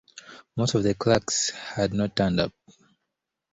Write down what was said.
Most of the clerks had not turned up.